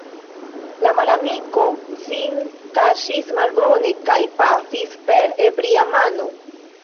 La malamiko sin kaŝis malbone, kaj pafis per ebria mano.